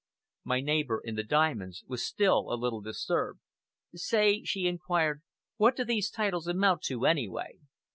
My neighbor in the diamonds was still a little disturbed. "Say," she inquired, "what do these titles amount to anyway?